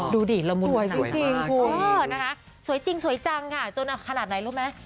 ดูดิละมุนจริงสวยจริงจนขนาดไหนรู้ไหม